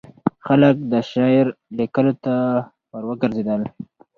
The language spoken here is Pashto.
خلک د شعر لیکلو ته وروګرځېدل.